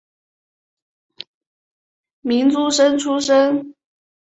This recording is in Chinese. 明诸生出身。